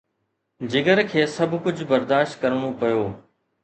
جگر کي سڀ ڪجهه برداشت ڪرڻو پيو.